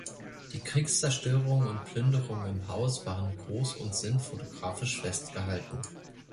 Die Kriegszerstörungen und Plünderungen im Haus waren groß und sind fotografisch festgehalten.